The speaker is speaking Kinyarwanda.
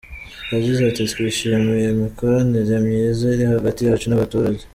Yagize ati “Twishimiye imikoranire myiza iri hagati yacu n’abaturage.